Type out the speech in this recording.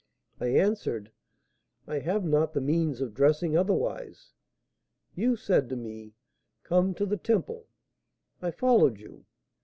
I answered, 'I have not the means of dressing otherwise.' You said to me, 'Come to the Temple.' I followed you.